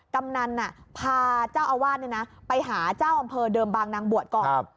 กำนันพาเจ้าอาวาสไปหาเจ้าอำเภอเดิมบางนางบวชก่อน